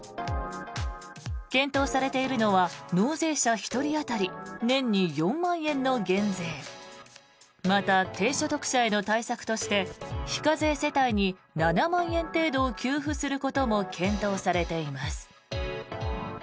検討されているのは納税者１人当たり年に４万円の減税また、低所得者への対策として非課税世帯に７万円程度を給付することも検討されています。